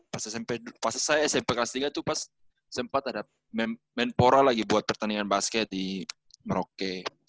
pas smp pas saya smp kelas tiga tuh pas sempat ada main poro lagi buat pertandingan basket di merauke